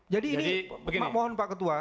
jadi ini mohon pak ketua